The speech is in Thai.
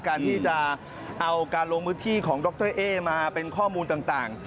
การที่จะเอาการลงพื้นที่ของดรเอ๊มาเป็นข้อมูลต่าง